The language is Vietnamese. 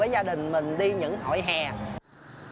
các gia đình sẽ được trải nghiệm những món chính tay mình làm